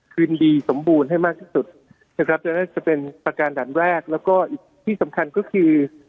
คืนดีสมบูรณ์ให้มากที่สุดนะครับจะเป็นประการด่านแรกแล้วก็อีกที่สำคัญก็คือ